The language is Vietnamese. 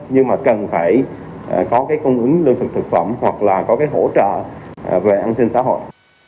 nhưng mà cần phải có công ứng lương thực thực phẩm hoặc là có hỗ trợ về an sinh xã hội